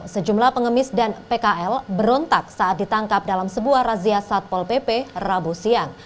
sejumlah pengemis dan pkl berontak saat ditangkap dalam sebuah razia satpol pp rabu siang